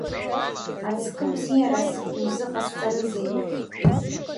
Ацкы бзиарас иузыҟасҵарызеи…